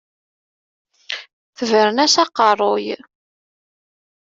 Tebren-as aqeṛṛuy.